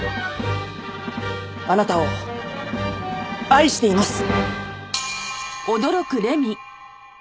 あなたを愛しています！